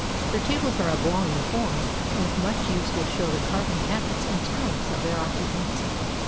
Their tables are oblong in form and if much used will show the carving habits and talents of their occupants.